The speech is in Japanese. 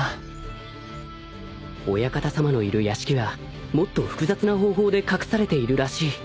［お館様のいる屋敷はもっと複雑な方法で隠されているらしい］